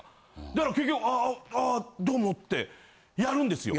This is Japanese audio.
だから結局ああああどうもってやるんですよ。